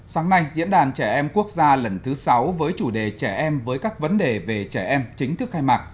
sáng nay diễn đàn trẻ em quốc gia lần thứ sáu với chủ đề trẻ em với các vấn đề về trẻ em chính thức khai mạc